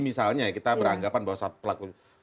misalnya kita beranggapan bahwa pelakunya setunggal